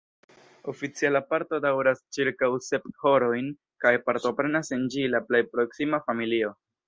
Oficiala parto daŭras ĉirkaŭ sep horojn kaj partoprenas en ĝi la plej proksima familio.